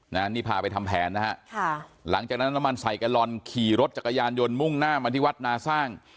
นี่พาไปทำแผนนะฮะค่ะหลังจากนั้นน้ำมันใส่แกลลอนขี่รถจักรยานยนต์มุ่งหน้ามาที่วัดนาสร้าง